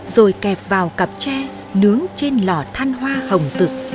rồi kẹp vào cặp tre nướng trên lò than hoa hồng rực